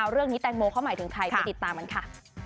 เรื่องนี้แตงโมเขาหมายถึงใครไปติดตามกันค่ะ